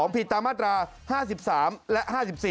ผิดตามมาตรา๕๓และ๕๔